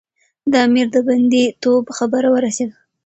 د امیر د بندي توب خبره ورسېده.